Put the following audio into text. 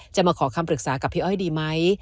มาขอคำปรึกษากับพี่อ้อยดีไหม